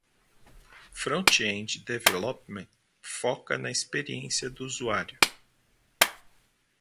Front-end Development foca na experiência do usuário.